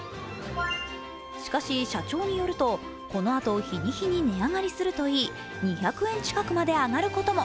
しかし、社長によると、このあと、日に日に値上がりするといい、２００円近くまで上がることも。